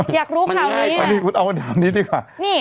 อยากรู้ข่าวนี้เนี่ย